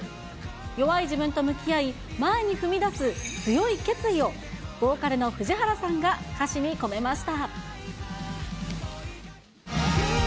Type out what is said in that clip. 弱い自分と向き合い、前に踏み出す強い決意を、ボーカルのふじはらさんが歌詞に込めました。